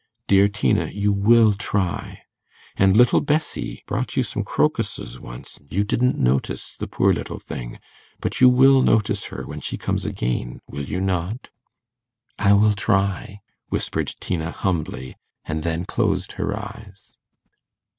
Dear Tina, you will try; and little Bessie brought you some crocuses once, you didn't notice the poor little thing; but you will notice her when she comes again, will you not?' 'I will try,' whispered Tina humbly, and then closed her eyes.